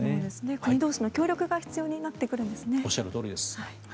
国同士の協力が必要になってくるんですね。